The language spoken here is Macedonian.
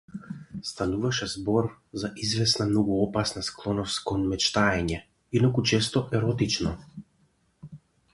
Стануваше збор за извесна многу опасна склоност кон мечтаење, инаку често еротично.